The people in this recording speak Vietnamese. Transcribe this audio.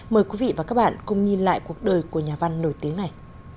mời quý vị và các bạn cùng nhìn lại cuộc đời của nhà văn nổi tiếng này